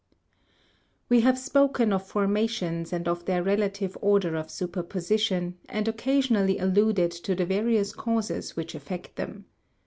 We have spoken of formations and of their relative order of superposition, and occasionally alluded to the various causes which affect them.